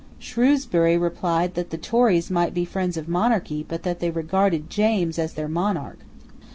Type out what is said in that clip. Shrewsbury replied that the Tories might be friends of monarchy, but that they regarded James as their monarch.